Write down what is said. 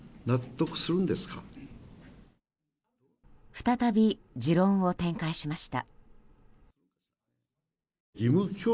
再び、持論を展開しました。